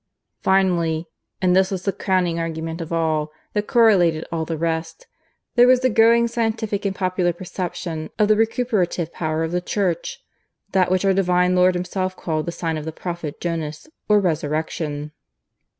"Finally and this was the crowning argument of all, that correlated all the rest there was the growing scientific and popular perception of the Recuperative Power of the Church that which our Divine Lord Himself called the Sign of the Prophet Jonas, or Resurrection.